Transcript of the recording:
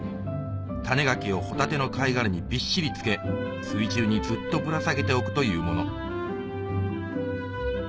種ガキをホタテの貝殻にびっしり付け水中にずっとぶら下げておくというもの